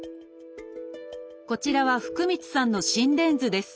こちらは福満さんの心電図です。